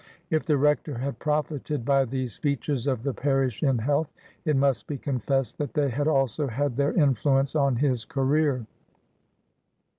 If the Rector had profited by these features of the parish in health, it must be confessed that they had also had their influence on his career.